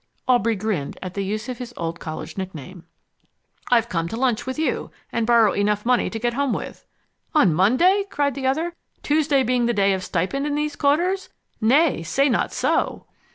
Aubrey grinned at the use of his old college nickname. "I've come to lunch with you, and borrow enough money to get home with." "On Monday?" cried the other. "Tuesday being the day of stipend in these quarters? Nay, say not so!"